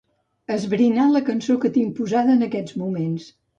Esbrinar la cançó que tinc posada en aquests moments.